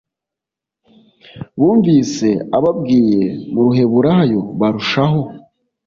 bumvise ababwiye mu ruheburayo barushaho